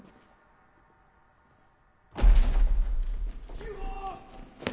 急報！